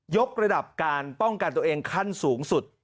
กระดับการป้องกันตัวเองขั้นสูงสุด